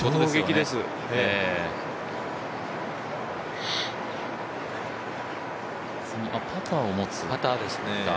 次はパターを持つ？